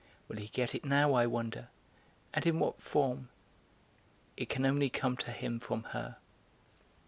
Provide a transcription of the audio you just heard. Will he get it now, I wonder, and in what form? It can only come to him from her."